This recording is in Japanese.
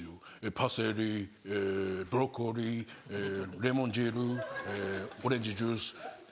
パセリブロッコリーレモン汁オレンジジュース。